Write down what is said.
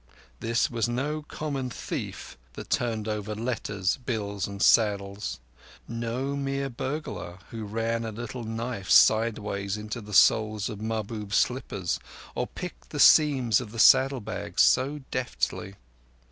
This was no common thief that turned over letters, bills, and saddles—no mere burglar who ran a little knife sideways into the soles of Mahbub's slippers, or picked the seams of the saddle bags so deftly.